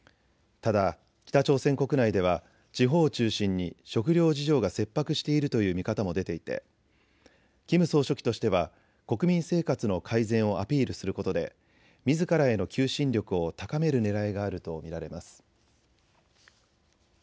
ただ北朝鮮国内では地方を中心に食料事情が切迫しているという見方も出ていてキム総書記としては国民生活の改善をアピールすることでみずからへの求心力を高めるねらいがあると見られます。